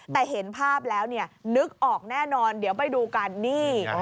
แต่เห็นภาพแล้วเนี่ยนึกออกแน่นอนเดี๋ยวไปดูกันนี่